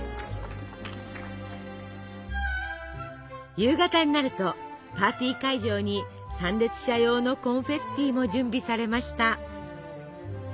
夕方になるとパーティー会場に参列者用のコンフェッティも準備されました。